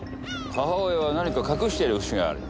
母親は何か隠してる節がある。